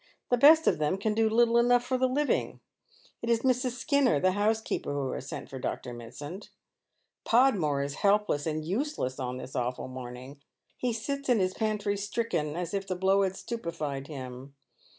The best of them can do little enough for the living. It is Mrs. Skinner, the house keeper, who has sent for Dr. Mitsand. Podmore is helpless and useless on this awful morning. He sits in his pantry stricken, as if the blow had stupefied him.